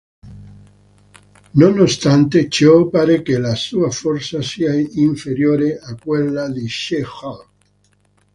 Nonostante ciò, pare che la sua forza sia inferiore a quella di She-Hulk.